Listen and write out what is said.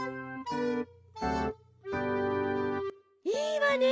いいわね。